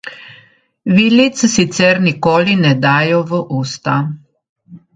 Vilic sicer nikoli ne dajo v usta.